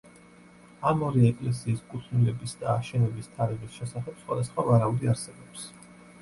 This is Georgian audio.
ამ ორი ეკლესიის კუთვნილების და აშენების თარიღის შესახებ სხვადასხვა ვარაუდი არსებობს.